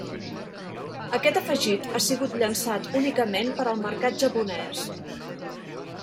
Aquest afegit ha sigut llançat únicament per al mercat japonés.